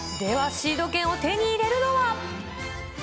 シード権を手に入れるのは？